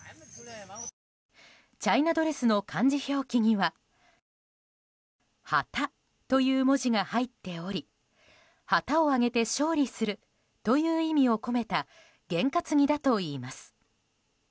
チャイナドレスの漢字表記には「旗」という文字が入っており旗を揚げて勝利するという意味を込めた験担ぎだといいます。